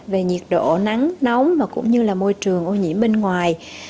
về nhiệt độ nắng nóng và cũng như là môi trường ô nhiễm bên ngoài